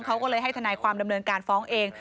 เขาก็เลยให้ทนายความดำเนินการฟ้องเอง